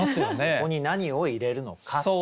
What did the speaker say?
ここに何を入れるのかという。